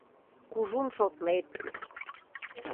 Кужун шотлет.